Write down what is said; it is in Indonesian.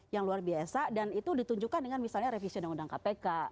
yang luar biasa dan itu ditunjukkan dengan misalnya revisi undang undang kpk